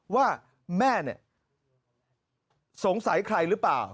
ว่าแม่เนี่ยสงสัยใครหรือเปล่า